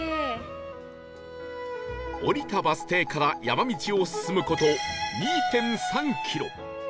降りたバス停から山道を進む事 ２．３ キロ